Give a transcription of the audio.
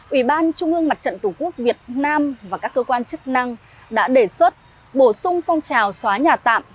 ủy ban trung ương mặt trận tổ quốc việt nam và các cơ quan chức năng đã đề xuất bổ sung phong trào xóa nhà tạm